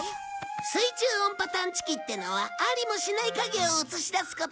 水中音波探知機ってのはありもしない影を映し出すこともある。